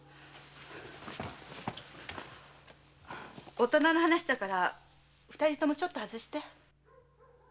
大人の話だから二人ともちょっと外して。